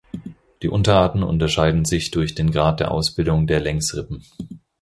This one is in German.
Die Unterarten unterscheiden sich durch den Grad der Ausbildung der Längsrippen.